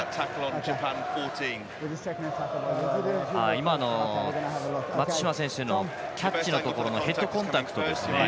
今の松島選手のキャッチのところのヘッドコンタクトですね。